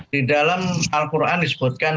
di dalam al quran disebutkan